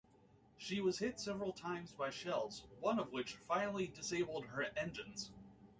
She was hit several times by shells, one of which finally disabled her engines.